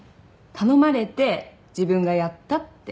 頼まれて自分がやったって。